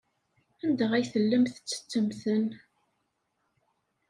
Anda ay tellamt tettettemt-ten?